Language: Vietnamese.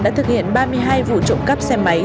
đã thực hiện ba mươi hai vụ trộm cắp xe máy